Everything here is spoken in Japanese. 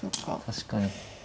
確かに。